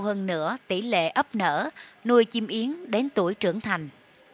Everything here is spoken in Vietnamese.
hơn nữa tỷ lệ ấp nở nuôi chim yến đến tuổi trưởng thành